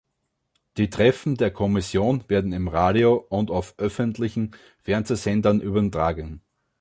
Die Treffen der Kommission werden im Radio und auf öffentlichen Fernsehsendern übertragen.